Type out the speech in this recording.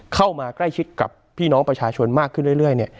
เข้ามาใกล้ชิดกับพี่น้องประชาชนมากขึ้นเรื่อย